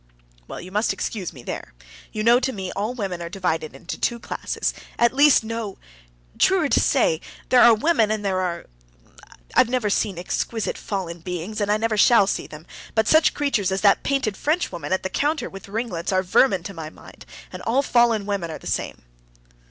"Well, you must excuse me there. You know to me all women are divided into two classes ... at least no ... truer to say: there are women and there are ... I've never seen exquisite fallen beings, and I never shall see them, but such creatures as that painted Frenchwoman at the counter with the ringlets are vermin to my mind, and all fallen women are the same."